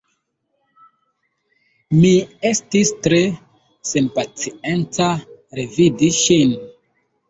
Mi estis tre senpacienca revidi ŝin.